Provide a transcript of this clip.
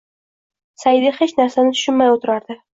Saida hech narsani tushunmay o`tirardi